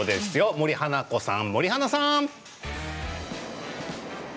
森花子さん、森花さん！